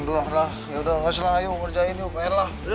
duh lah lah yaudah gak usah ayo ngerjain pr lah